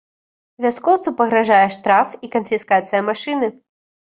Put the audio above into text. Вяскоўцу пагражае штраф і канфіскацыя машыны.